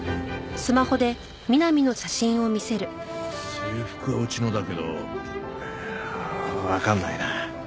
制服はうちのだけどわからないな。